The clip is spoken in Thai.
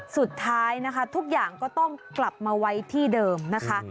สุดท้ายนะคะทุกอย่างก็ต้องกลับมาไว้ที่เดิมนะคะ